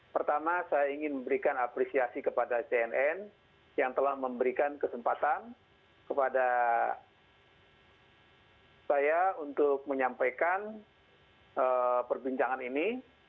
pertama saya ingin memberikan apresiasi kepada cnn yang telah memberikan kesempatan kepada saya untuk menyampaikan perbincangan ini